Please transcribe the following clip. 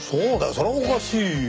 それはおかしいよ。